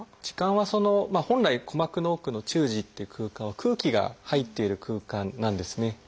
耳管は本来鼓膜の奥の中耳っていう空間は空気が入っている空間なんですね。